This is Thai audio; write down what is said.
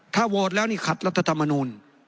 ถ้าโหวตแล้วนี่ขัดรัฐธรรมนูล